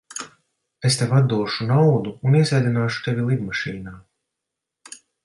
Es tev atdošu naudu un iesēdināšu tevi lidmašīnā.